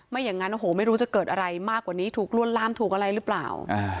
อย่างนั้นโอ้โหไม่รู้จะเกิดอะไรมากกว่านี้ถูกลวนลามถูกอะไรหรือเปล่า